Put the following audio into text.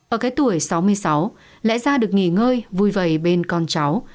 ở cái tuổi sáu mươi sáu lẽ ra được nghỉ ngơi vui vầy bên con cháu